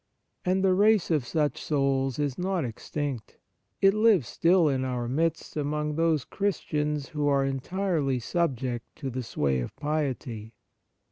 And the race of such souls is not extinct. It lives still in our midst amongst those Christians who are entirely subject to the sway of piety.